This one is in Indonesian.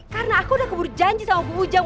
karena aku udah keburu janji sama bu bujang